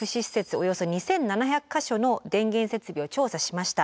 およそ２，７００か所の電源設備を調査しました。